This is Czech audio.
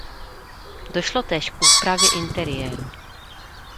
Došlo též k úpravě interiéru.